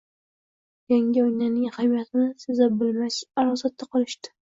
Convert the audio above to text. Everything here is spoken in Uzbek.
yangi oynaning ahamiyatini seza bilmay arosatda qolishdi.